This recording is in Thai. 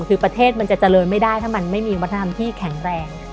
คือประเทศมันจะเจริญไม่ได้ถ้ามันไม่มีวัฒนธรรมที่แข็งแรง